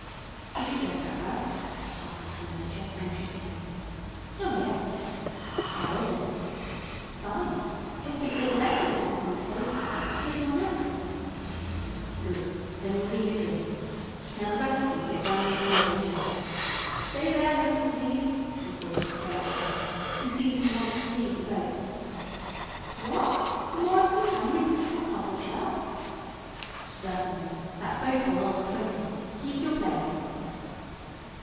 "Did you get that, Russ?" asked the manager, anxiously. "Oh, yes." "How was it?" "Fine! It will be all the better with that little mistake in look more natural." "Good! Then we'll leave it in. Now the rest of you get down the accommodation ladder. Stay there, Mr. Sneed!" he called to the grouchy actor, who seemed to want to leave the boat. "What! Are more of them coming in this little cockleshell?" "Certainly. That boat will hold twenty. Keep your place."